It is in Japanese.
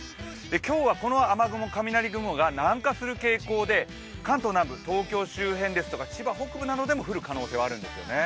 今日はこの雨雲、雷雲が南下する傾向で関東南部、東京周辺ですとか千葉北部でも降る可能性があるんです。